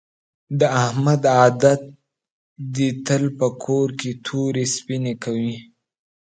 د احمد عادت دې تل په کور کې تورې سپینې کوي.